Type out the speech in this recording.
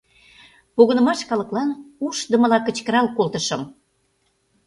Погынымаш калыклан ушдымыла кычкырал колтышым: